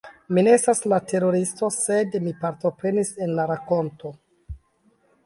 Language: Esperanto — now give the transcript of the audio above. Mi ne estas la teroristo, sed mi partoprenis en la rakonto